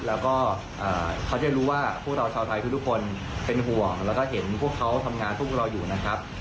แล้วก็เขาจะรู้ว่าพวกเราชาวไทยทุกคนเป็นห่วงแล้วก็เห็นพวกเขาทำงานพวกเราอยู่นะครับ